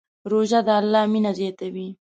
روژه د الله مینه زیاتوي.